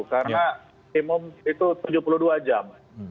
karena timum itu tujuh puluh dua jam